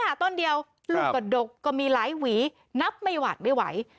ต้นเดียวลูกกระดกก็มีหลายหวีนับไม่หวาดไม่ไหว